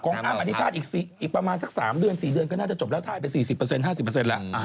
อ้ำอธิชาติอีกประมาณสัก๓เดือน๔เดือนก็น่าจะจบแล้วถ่ายไป๔๐๕๐แล้ว